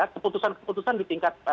keputusan keputusan di tingkat